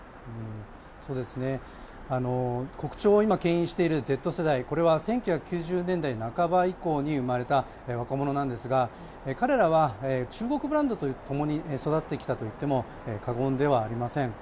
国潮を今、けん引しているＺ世代は１９９０年代半ば以降に生まれた若者なんですが、彼らは中国ブランドとともに育ってきたといっても過言ではありません。